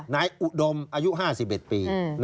อุดมอายุ๕๑ปี